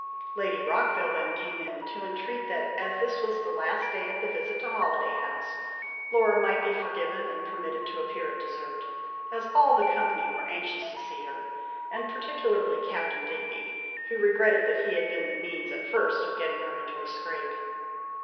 Lady Rockville then came in, to entreat that, as this was the last day of the visit to Holiday House, Laura might be forgiven and permitted to appear at dessert, as all the company were anxious to see her, and particularly Captain Digby, who regretted that he had been the means at first of getting her into a scrape.